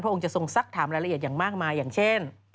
องค์จะทรงสักถามรายละเอียดอย่างมากมายอย่างเช่น